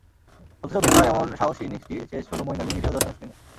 অথচ মিসবাহর এমন সাহসী ইনিংসটি শেষ হলো মঈন আলীর নিরীহ দর্শন স্পিনে।